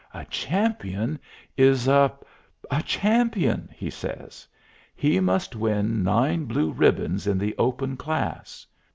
A champion is a a champion," he says. "He must win nine blue ribbons in the 'open' class.